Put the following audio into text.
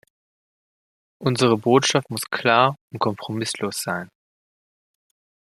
Unsere Botschaft muss klar und kompromisslos sein.